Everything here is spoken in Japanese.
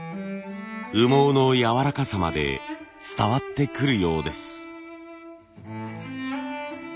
羽毛のやわらかさまで伝わってくるようです。